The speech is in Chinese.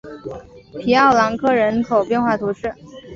皮奥朗克人口变化图示